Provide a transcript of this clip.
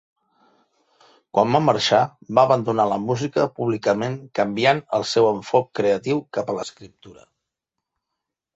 Quan va marxar va abandonar la música públicament canviant el seu enfoc creatiu cap a l'escriptura.